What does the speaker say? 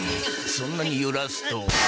そんなにゆらすと。